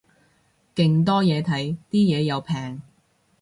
勁多嘢睇，啲嘢又平